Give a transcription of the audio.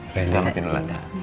selamat tidur ada